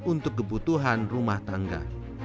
untuk kebutuhan rumah tangga